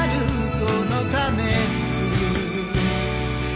「そのために」